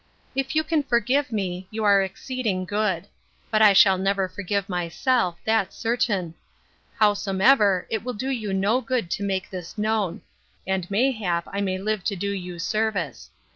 If you can forgive me, you are exceeding good; but I shall never forgive myself, that's certain. Howsomever, it will do you no good to make this known; and may hap I may live to do you service.